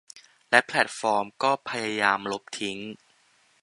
และแพลตฟอร์มก็พยายามลบทิ้ง